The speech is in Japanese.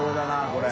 これ。